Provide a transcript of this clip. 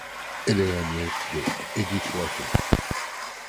Elle est la nièce de Edith Wharton.